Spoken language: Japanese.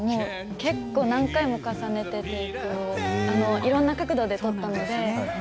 結構、何回も重ねていていろんな角度で撮ったので。